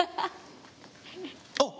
あっ！